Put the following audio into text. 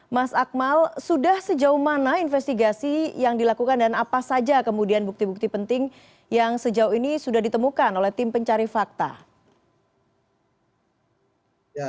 mas akmal sudah sejauh mana investigasi yang dilakukan dan apa saja kemudian bukti bukti penting yang sejauh ini sudah ditemukan oleh tim pencari fakta